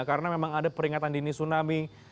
karena memang ada peringatan dini tsunami